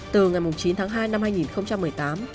từ ngày chín tháng hai năm hai nghìn một mươi tám